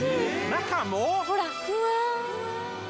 中も！？